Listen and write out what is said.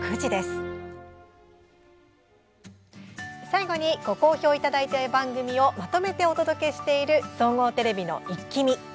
最後に、ご好評いただいた番組をまとめてお届けしている総合テレビの「イッキ見！」。